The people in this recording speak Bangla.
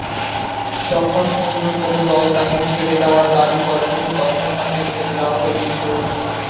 যখন অন্য কোন দল তাকে ছেড়ে দেওয়ার দাবি করেনি, তখন তাকে ছেড়ে দেওয়া হয়েছিল।